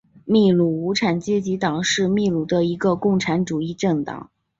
秘鲁无产阶级党是秘鲁的一个共产主义政党。